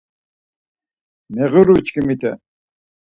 Meğiruçkimite.